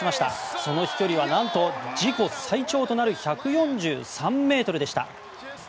その飛距離はなんと自己最長となる１４３ｍでした。